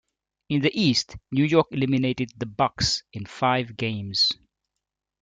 In the East, New York eliminated the Bucks in five games.